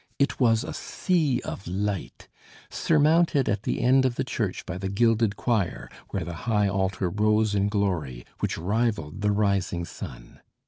It was a sea of light, surmounted at the end of the church by the gilded choir, where the high altar rose in glory, which rivaled the rising sun.